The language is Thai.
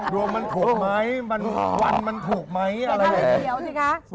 ดวงมันถูกไหมวันมันถูกไหมอะไรแหละ